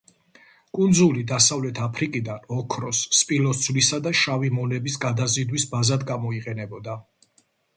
კუნძული დასავლეთ აფრიკიდან ოქროს, სპილოს ძვლისა და შავი მონების გადაზიდვის ბაზად გამოიყენებოდა.